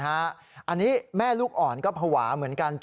อันนี้แม่ลูกอ่อนก็ภาวะเหมือนกัน